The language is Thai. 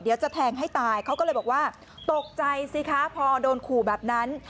เดี๋ยวจะแทงให้ตายเขาก็เลยบอกว่าตกใจสิคะพอโดนขู่แบบนั้น